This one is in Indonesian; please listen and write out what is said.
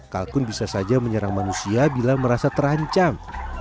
kalkun bisa saja menyerang manusia bila merasa terancam